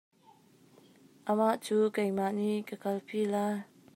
Amah cu keimah nih ka kalpi lai.